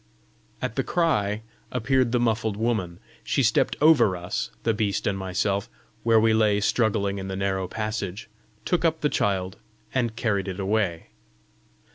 At the cry appeared the muffled woman. She stepped over us, the beast and myself, where we lay struggling in the narrow passage, took up the child, and carried it away.